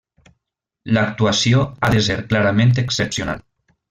L'actuació ha de ser clarament excepcional.